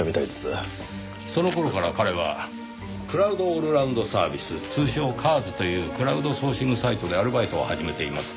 その頃から彼はクラウド・オールラウンド・サービス通称ＣＡＲＳというクラウドソーシングサイトでアルバイトを始めていますね。